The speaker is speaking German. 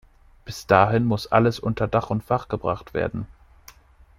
Bis dahin muss alles unter Dach und Fach gebracht werden.